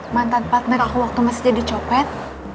mantan partner aku waktu masih jadi copet